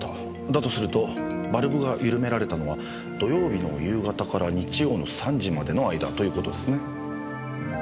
だとするとバルブが緩められたのは土曜日の夕方から日曜の３時までの間ということですね。